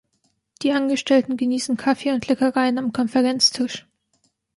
Die Angestellten genießen Kaffee und Leckereien am Konferenztisch.